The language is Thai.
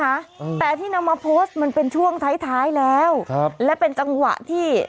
อืมแต่ที่นำมาโพสต์มันเป็นช่วงท้ายท้ายแล้วครับและเป็นจังหวะที่